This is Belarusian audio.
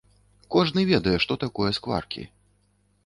Кожны ведае, што такое скваркі.